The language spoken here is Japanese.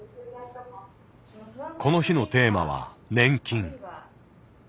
この日のテーマは「年金」。